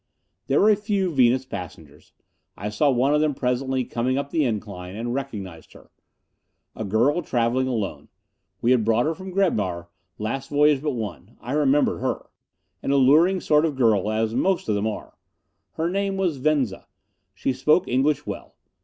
There were a few Venus passengers. I saw one of them presently coming up the incline, and recognized her. A girl traveling alone. We had brought her from Grebhar, last voyage but one. I remembered her. An alluring sort of girl, as most of them are. Her name was Venza. She spoke English well.